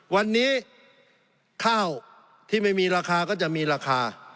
วันนี้ข้าวที่ไม่มีราคาก็จะมีราคา